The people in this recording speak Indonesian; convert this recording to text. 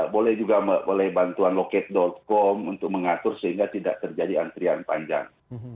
boleh juga oleh bantuan loket com untuk mengatur sehingga tidak terjadi antrian panjang